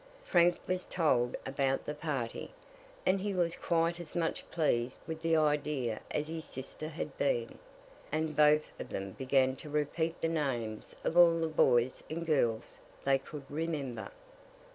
Frank was told about the party, and he was quite as much pleased with the idea as his sister had been; and both of them began to repeat the names of all the boys and girls they could remember.